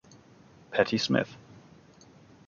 Patty Smith